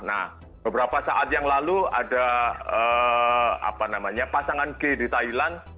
nah beberapa saat yang lalu ada pasangan k di thailand